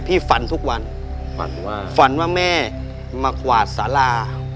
ฝันทุกวันฝันว่าฝันว่าแม่มากวาดสารา